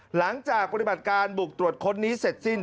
หลังจากปฏิบัติการบุกตรวจค้นนี้เสร็จสิ้น